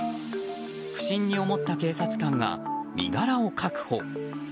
不審に思った警察官が身柄を確保。